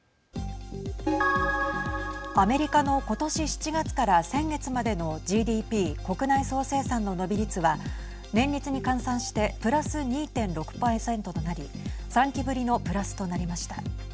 アメリカの今年７月から先月までのＧＤＰ＝国内総生産の伸び率は年率に換算してプラス２．６％となり３期ぶりのプラスとなりました。